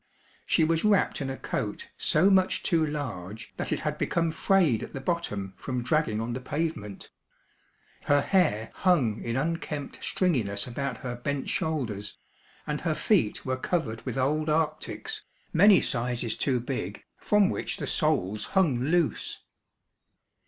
She was wrapped in a coat so much too large that it had become frayed at the bottom from dragging on the pavement. Her hair hung in unkempt stringiness about her bent shoulders, and her feet were covered with old arctics, many sizes too big, from which the soles hung loose.